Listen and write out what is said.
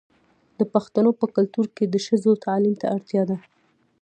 د پښتنو په کلتور کې د ښځو تعلیم ته اړتیا ده.